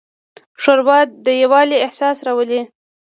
ښوروا د یووالي احساس راولي.